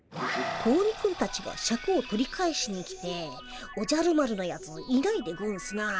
子鬼君たちがシャクを取り返しに来て「おじゃる丸のやついないでゴンスな」。